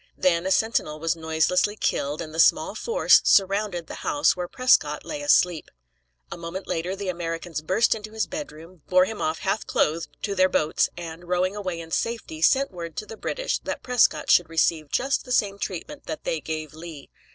Then a sentinel was noiselessly killed, and the small force surrounded the house where Prescott lay asleep. A moment later the Americans burst into his bedroom, bore him off half clothed to their boats, and, rowing away in safety, sent word to the British that Prescott should receive just the same treatment that they gave Lee.